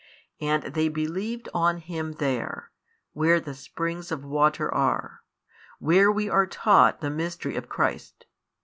And they believe on Him there, where the springs of water are, where we are taught the mystery of Christ.